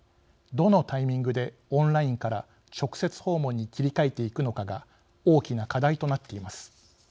どのタイミングでオンラインから直接訪問に切り替えていくのかが大きな課題となっています。